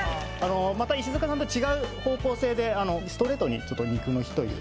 また石塚さんと違う方向性でストレートに肉の日という。